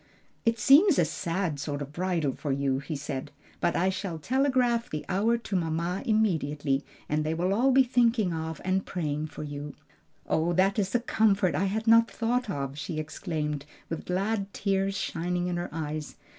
"It seems a sad sort of bridal for you," he said, "but I shall telegraph the hour to mamma immediately, and they will all be thinking of and praying for you." "Oh, that is a comfort I had not thought of!" she exclaimed, with glad tears shining in her eyes.